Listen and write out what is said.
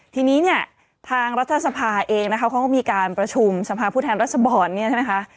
ทีนี้เนี่ยทางรัฐสภาเองนะคะเขาก็มีการประชุมสภาพผู้แทนรัศดรเนี่ยใช่ไหมคะ